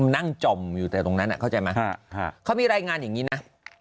นั่งจ่อมอยู่แต่ตรงนั้นเข้าใจไหมเขามีรายงานอย่างนี้นะ